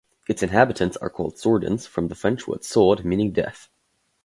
Its inhabitants are called "Sourdins" from the French "sourd" meaning deaf.